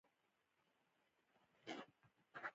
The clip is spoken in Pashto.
لومړی انجینر دی چې ډیزاین او اختراع کوي.